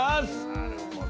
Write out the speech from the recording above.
なるほど。